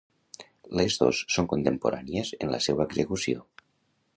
Les dos són contemporànies en la seua execució.